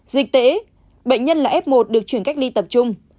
dịch tễ bệnh nhân là f một được chuyển cách ly tập trung